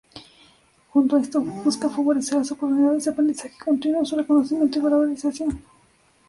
Junto a esto, busca favorecer las oportunidades de aprendizaje continuo, su reconocimiento y valorización.